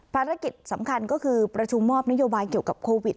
ภารกิจสำคัญก็คือประชุมมอบนโยบายเกี่ยวกับโควิด